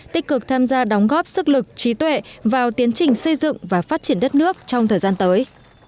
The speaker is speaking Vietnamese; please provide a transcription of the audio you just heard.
tích cực tham gia đóng góp sức lực trí tuệ vào tiến trình xây dựng và phát triển đất nước trong thời gian tới